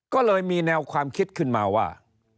ก็เลยมีแนวความคิดขึ้นมาว่า